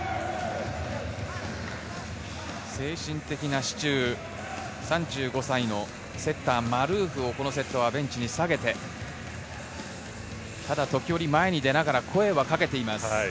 精神的な支柱、３５歳のセッター、マルーフをこのセットはベンチに下げて時折前に出ながら声は掛けています。